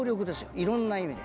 いろんな意味で。